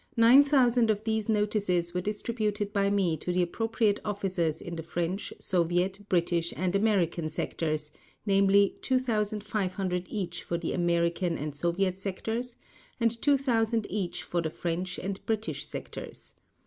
9,000 of these notices were distributed by me to the appropriate officers in the French, Soviet, British and American Sectors, namely 2,500 each for the American and Soviet Sectors and 2,000 each for the French and British Sectors.